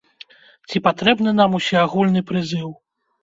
Ці патрэбны нам усеагульны прызыў?